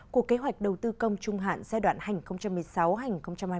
của kế hoạch đầu tư công trung hạn giai đoạn hai nghìn một mươi sáu hai nghìn hai mươi